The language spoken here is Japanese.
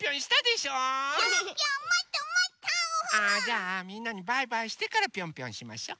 あじゃあみんなにバイバイしてからピョンピョンしましょ。